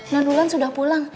nan wulan sudah pulang